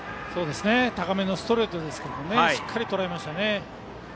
高めのストレートですけどしっかりとらえましたね。